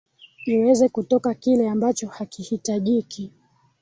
iweze kutoka kile ambacho hakihitajiki